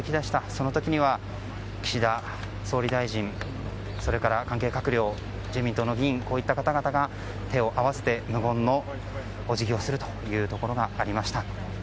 その時には、岸田総理大臣それから関係閣僚自民党の議員、こういった方々が手を合わせて無言のお辞儀をするというところがありました。